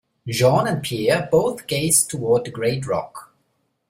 Jeanne and Pierre both gazed toward the great rock.